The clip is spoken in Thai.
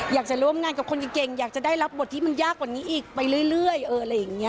อยากจะร่วมงานกับคนเก่งอยากจะได้รับบทที่มันยากกว่านี้อีกไปเรื่อยอะไรอย่างนี้